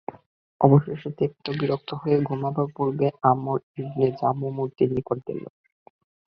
অবশেষে তিক্ত বিরক্ত হয়ে ঘুমাবার পূর্বে আমর ইবনে জামূহ মূর্তির নিকট গেল।